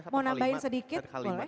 mau nambahin sedikit